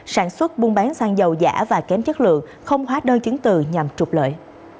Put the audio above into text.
sản xuất buôn bán xăng dầu giả và kém chất lượng không hóa đơn chứng từ nhằm trục lợi